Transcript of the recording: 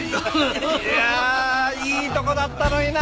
いやいいとこだったのにな。